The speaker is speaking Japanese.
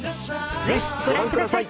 ぜひご覧ください。